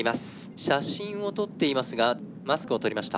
写真を撮っていますがマスクを取りました。